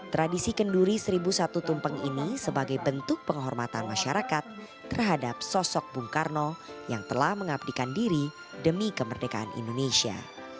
tradisi kenduri seribu satu tumpeng ini sebagai bentuk penghormatan masyarakat terhadap sosok bung karno yang telah mengabdikan diri demi kemerdekaan indonesia